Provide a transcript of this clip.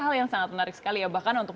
hal yang sangat menarik sekali ya bahkan untuk